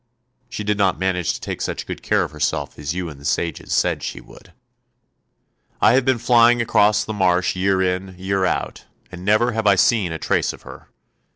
She did not manage to take such good care of herself as you and the sages said she would. I have been flying across the marsh year in, year out, and never have I seen a trace of her.